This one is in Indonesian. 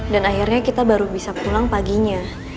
dan akhirnya kita baru bisa pulang paginya